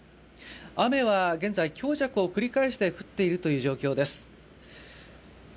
雨は現在、強弱を繰り返して降っている状況です。